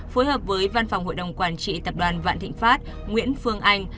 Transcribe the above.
phối hợp với văn phòng hội đồng quản trị tập đoàn vạn thịnh pháp nguyễn phương anh